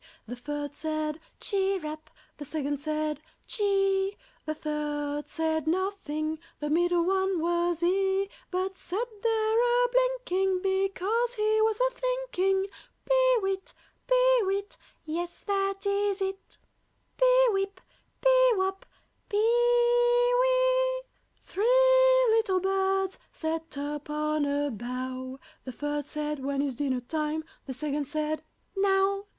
The first said "Chirrup!" The second said "Chee!" The third said nothing, (The middle one was he,) But sat there a blinking, Because he was a thinking. "Pee wit! pee wit! Yes, that is it! Pee wip, pee wop, pee wee!" Three little birds Sat upon a bough. The first said, "When is dinner time?" The second said, "Now!"